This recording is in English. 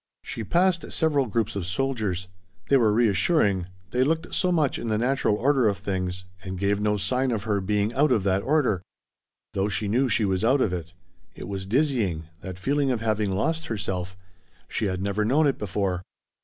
She passed several groups of soldiers. They were reassuring; they looked so much in the natural order of things and gave no sign of her being out of that order. Though she knew she was out of it. It was dizzying that feeling of having lost herself. She had never known it before.